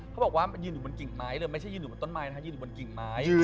เขาบอกว่ามันยืนอยู่บนกิ่งไม้เลยไม่ใช่ยืนอยู่บนต้นไม้นะคะยืนอยู่บนกิ่งไม้